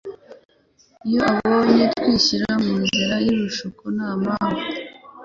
Iyo abonye twishyira mu nzira y'ibishuko nta mpamvu,